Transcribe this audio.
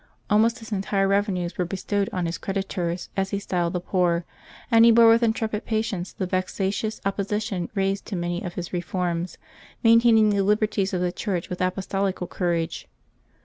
Almost his entire revenues were bestowed on his creditors, as he styled the poor, and he bore with intrepid patience the vexatious opposition raised to many of his reforms, maintaining the liberties of the Church with apos tolical courage.